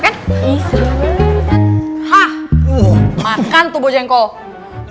hah makan tuh bojengkol